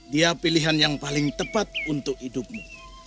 dia pilihan yang paling tepat untuk hidupmu